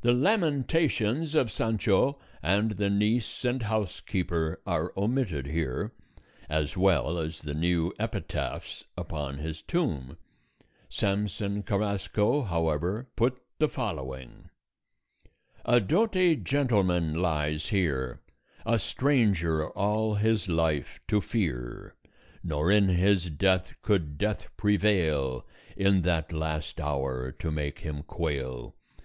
The lamentations of Sancho and the niece and housekeeper are omitted here, as well as the new epitaphs upon his tomb; Samson Carrasco, however, put the following: "A doughty gentleman lies here, A stranger all his life to fear; Nor in his death could Death prevail, In that last hour, to make him quail.